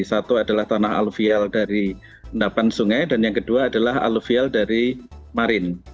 satu adalah tanah aluvial dari endapan sungai dan yang kedua adalah aluvial dari marin